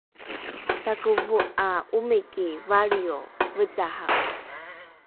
sakovo ’a omiki valrio vecahae